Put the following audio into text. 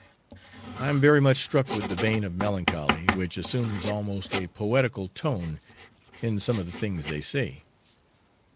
I am very much struck with the vein of melancholy, which assumes almost a poetical tone in some of the things they say.